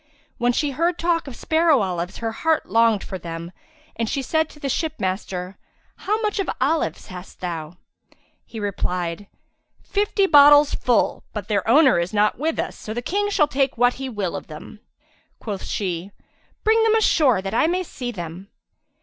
When she heard talk of sparrow olives her heart longed for them and she said to the ship master, "How much of olives hast thou?" He replied, "Fifty bottles full, but their owner is not with us, so the King shall take what he will of them." Quoth she, "Bring them ashore, that I may see them.''